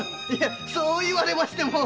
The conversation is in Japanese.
そう言われましても。